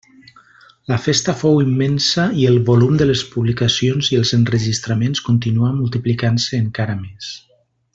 La festa fou immensa i el volum de les publicacions i els enregistraments continuà multiplicant-se encara més.